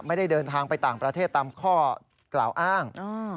ไม่ได้เดินทางไปต่างประเทศตามข้อกล่าวอ้าง